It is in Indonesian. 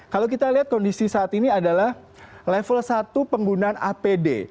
kalau kita lihat kondisi saat ini adalah level satu penggunaan apd